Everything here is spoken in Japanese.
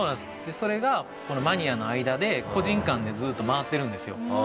それがマニアの間で個人間でずっと回ってるんですよ。